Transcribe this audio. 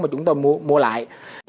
mà chúng ta mua lại